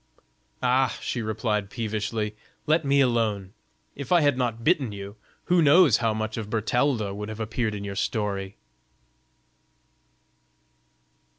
"Ah!" she replied, peevishly, "let me alone. If I had not bitten you, who knows how much of Bertalda would have appeared in your story?"